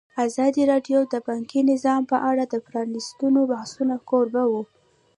ازادي راډیو د بانکي نظام په اړه د پرانیستو بحثونو کوربه وه.